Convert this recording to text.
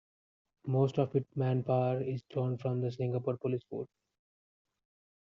Most of its manpower is drawn from the Singapore Police Force.